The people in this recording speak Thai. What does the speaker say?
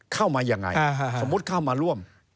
เข้ามายังไงสมมุติเข้ามาร่วม